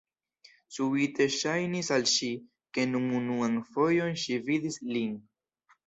Subite ŝajnis al ŝi, ke nun unuan fojon ŝi vidis lin.